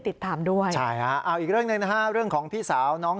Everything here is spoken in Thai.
ติดตามด้วยใช่ฮะเอาอีกเรื่องหนึ่งนะฮะเรื่องของพี่สาวน้อง